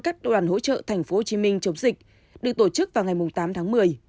các đoàn hỗ trợ tp hcm chống dịch được tổ chức vào ngày tám tháng một mươi